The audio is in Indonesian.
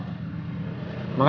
asistennya mas al